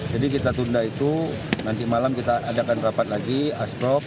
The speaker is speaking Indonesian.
jadi kita tunda itu nanti malam kita adakan rapat lagi aspro